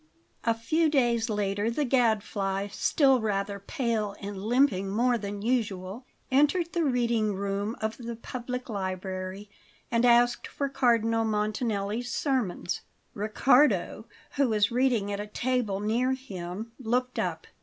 A FEW days later, the Gadfly, still rather pale and limping more than usual, entered the reading room of the public library and asked for Cardinal Montanelli's sermons. Riccardo, who was reading at a table near him, looked up.